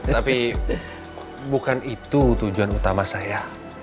tapi bukan itu tujuan utama saya